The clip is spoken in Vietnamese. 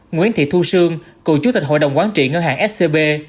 nguyễn thị thu sương cựu chủ tịch hội đồng quán trị ngân hàng scb